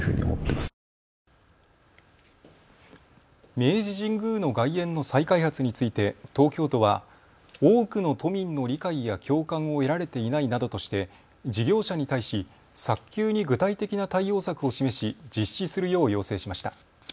明治神宮の外苑の再開発について東京都は多くの都民の理解や共感を得られていないなどとして事業者に対し早急に具体的な対応策を示し実施するよう要請しました。